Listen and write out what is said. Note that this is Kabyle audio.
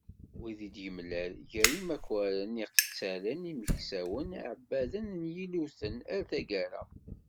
Wid i d-yemlal gar imakaren, iqettalen, imeksawen, iεebbaden n yilluten, atg.